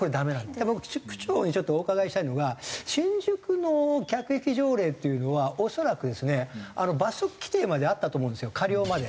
だから僕区長にちょっとお伺いしたいのが新宿の客引き条例っていうのは恐らくですね罰則規定まであったと思うんですよ過料まで。